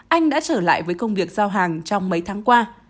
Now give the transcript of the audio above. anh đã trở lại với công việc giao hàng trong mấy tháng qua